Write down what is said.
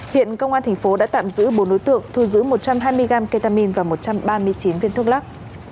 hiện công an thành phố đã tạm giữ bốn đối tượng thu giữ một trăm hai mươi gram ketamin và một trăm ba mươi chín viên thuốc lắc